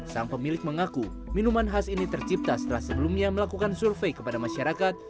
sang pemilik mengaku minuman khas ini tercipta setelah sebelumnya melakukan survei kepada masyarakat